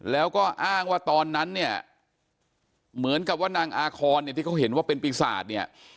แล้วก็อ้างว่าตอนนั้นเนี่ยเหมือนกับว่านางอาคอนเนี่ยที่เขาเห็นว่าเป็นปีศาจเนี่ย